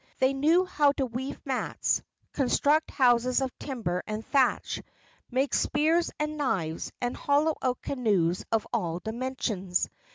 They knew how to weave mats, construct houses of timber and thatch, make spears and knives, and hollow out canoes of all dimensions.